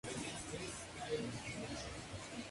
Parte de la sentencia fue suspendida.